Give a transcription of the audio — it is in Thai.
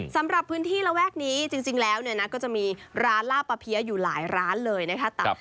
สำหรับพื้นที่ระแวกนี้จริงแล้วเนี่ยนะก็จะมีร้านล่าปะเพี้ยอยู่หลายร้านเลยนะคะ